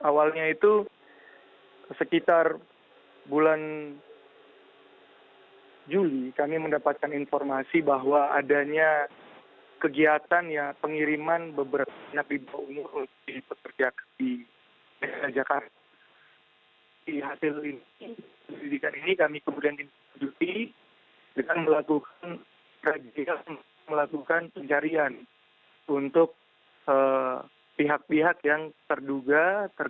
awalnya itu sekitar bulan juli kami mendapatkan informasi bahwa adanya kegiatan pengiriman beberapa anak di bawah umur